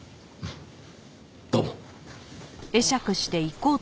どうも。